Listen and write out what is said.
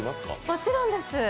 もちろんです。